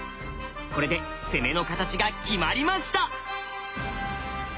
これで攻めの形が決まりました。